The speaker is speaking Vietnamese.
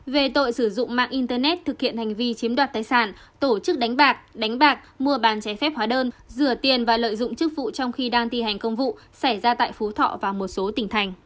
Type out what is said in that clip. về tội sử dụng mạng internet thực hiện hành vi chiếm đoạt tài sản tổ chức đánh bạc đánh bạc mua bàn cháy phép hóa đơn rửa tiền và lợi dụng chức vụ trong khi đang thi hành công vụ xảy ra tại phú thọ và một số tỉnh thành